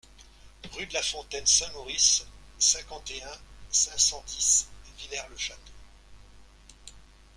Rue de la Fontaine Saint-Maurice, cinquante et un, cinq cent dix Villers-le-Château